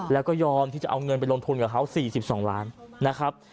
แล้วก็ยอมที่จะเอาเงินไปลงทุนกับเขา๔๒ล้านนะครับ